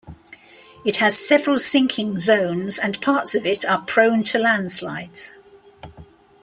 It has several sinking zones and parts of it are prone to landslides.